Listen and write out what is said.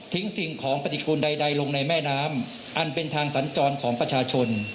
สิ่งของปฏิกูลใดลงในแม่น้ำอันเป็นทางสัญจรของประชาชน